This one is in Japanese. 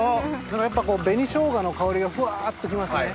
やっぱ紅しょうがの香りがふわっと来ますね。